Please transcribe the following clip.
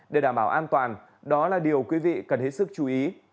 để đảm bảo an toàn đó là điều quý vị cần hết sức chú ý